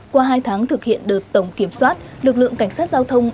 qua hai tháng thực hiện đợt tổng kiểm soát lực lượng cảnh sát giao thông